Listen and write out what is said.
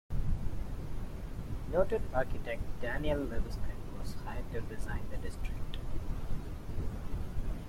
Noted architect Daniel Libeskind was hired to design the district.